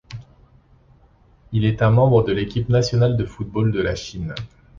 Il est un membre de l'équipe nationale de football de la Chine.